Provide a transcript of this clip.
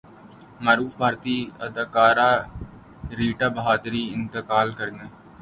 معروف بھارتی اداکارہ ریٹا بہادری انتقال کرگئیں